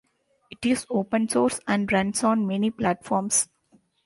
It is open source and runs on many platforms.